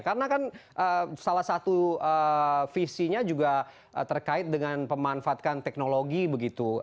karena kan salah satu visinya juga terkait dengan pemanfaatkan teknologi begitu